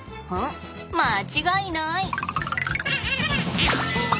間違いない！